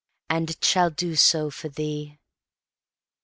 And 't shall do so for thee.